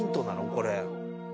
これ」